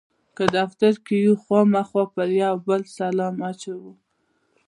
که دفتر کې یو خامخا پر یو او بل سلام اچوو.